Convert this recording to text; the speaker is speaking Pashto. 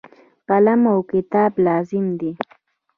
قلم او کتاب لازم دي.